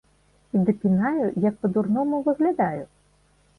І дапінаю, як па-дурному выглядаю.